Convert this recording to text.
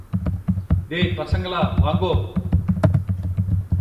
டேய் பசங்களா, வாங்கோ.